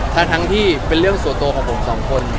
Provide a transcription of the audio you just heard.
ทั้งที่เป็นเรื่องส่วนตัวของผมสองคน